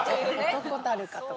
「漢たるか？」とか。